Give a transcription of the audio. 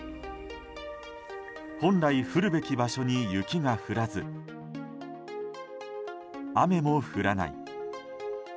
本来降るべき場所に雪が降らず雨も降らない。